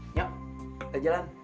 nyok udah jalan